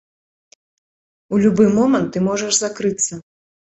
У любы момант ты можаш закрыцца.